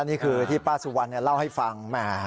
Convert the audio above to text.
นี่คือที่ป้าสุวรรณเล่าให้ฟังแหม